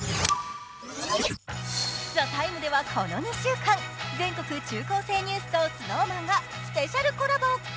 「ＴＨＥＴＩＭＥ，」ではこの２週間、全国の「中高生ニュース」とＳｎｏｗＭａｎがスペシャルコラボ。